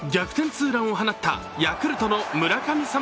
ツーランを放ったヤクルトの村神様